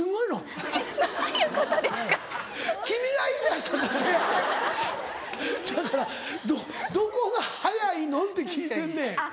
せやからどこが早いのん？って聞いてんねん。